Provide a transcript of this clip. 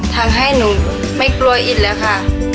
ทำให้หนูไม่กลัวอิดแล้วค่ะ